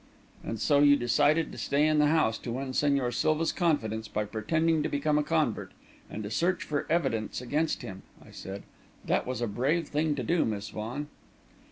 "And so you decided to stay in the house, to win Señor Silva's confidence by pretending to become a convert, and to search for evidence against him," I said. "That was a brave thing to do, Miss Vaughan."